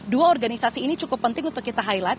dua organisasi ini cukup penting untuk kita highlight